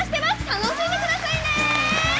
楽しんでくださいね！